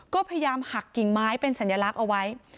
ก็พยายามหักกิ่งไม้เป็นสัญลักษณ์เอาไว้